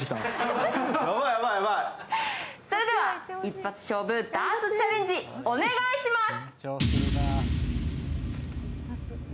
それでは一発ダーツチャレンジ、お願いします。